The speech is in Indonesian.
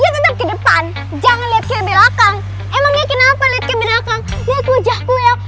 dia tetap ke depan jangan lihat ke belakang emangnya kenapa lihat ke belakang lihat wajahku ya